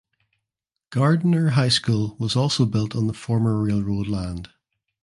Gardiner High School was also built on the former railroad land.